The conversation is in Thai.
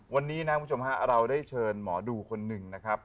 วันนี้นะคุณผู้ชมฮะเราได้เชิญหมอดูคนหนึ่งนะครับ